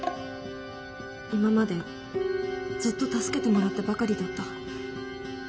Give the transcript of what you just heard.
今までずっと助けてもらってばかりだった。